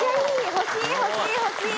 欲しい欲しい欲しい！